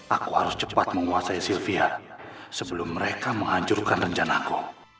aku harus cepat menguasai sylvia sebelum mereka menghancurkan rencanaku